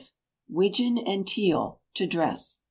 Widgeon and Teal, To Dress.